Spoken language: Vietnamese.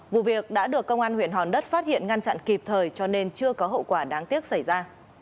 vụ việc đã được công an huyện hòn đất phát hiện ngăn chặn kịp thời cho nên chưa có hậu quả đáng tiếc xảy ra